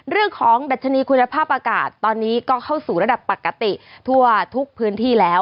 เรื่องของดัชนีคุณภาพอากาศตอนนี้ก็เข้าสู่ระดับปกติทั่วทุกพื้นที่แล้ว